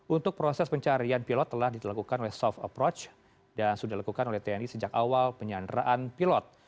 untuk proses pencarian pilot telah dilakukan oleh soft approach dan sudah dilakukan oleh tni sejak awal penyanderaan pilot